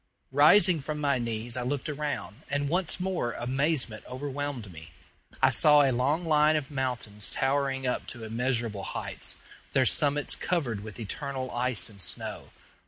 Rising from my knees I looked around, and once more amazement overwhelmed me. I saw a long line of mountains towering up to immeasurable heights, their summits covered with eternal ice and snow.